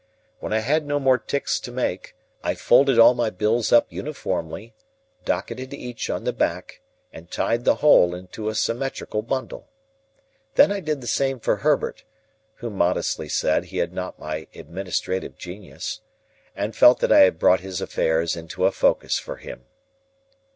When I had no more ticks to make, I folded all my bills up uniformly, docketed each on the back, and tied the whole into a symmetrical bundle. Then I did the same for Herbert (who modestly said he had not my administrative genius), and felt that I had brought his affairs into a focus for him.